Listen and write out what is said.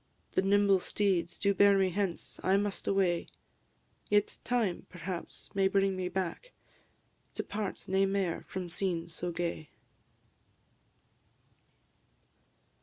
the nimble steeds Do bear me hence I must away; Yet time, perhaps, may bring me back, To part nae mair from scenes so gay.